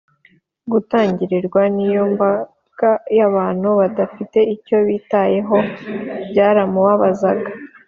gutangarirwa n’iyo mbaga y’abantu badafite icyo bitayeho byaramubabazaga